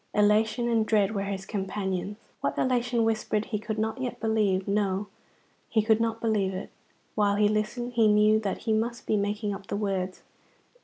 Elation and dread were his companions. What elation whispered he could not yet believe; no, he could not believe it. While he listened he knew that he must be making up the words.